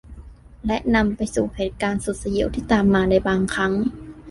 และนำไปสู่เหตุการณ์สุดสยิวที่ตามมาในบางครั้ง